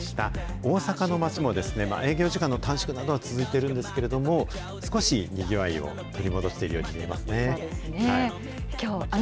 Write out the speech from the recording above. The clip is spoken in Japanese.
大阪の街もですね、営業時間の短縮など、続いているんですけれども、少しにぎわいを取り戻しているように見えますね。